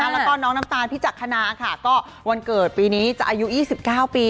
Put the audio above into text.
แล้วก็น้องน้ำตาลพิจักษณาค่ะก็วันเกิดปีนี้จะอายุ๒๙ปี